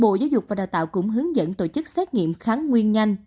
bộ giáo dục và đào tạo cũng hướng dẫn tổ chức xét nghiệm kháng nguyên nhanh